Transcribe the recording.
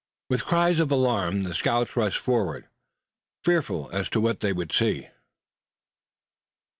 With cries of alarm the scouts rushed forward, fearful as to what they would see.